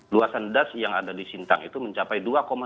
luasan das yang ada di sintang itu mencapai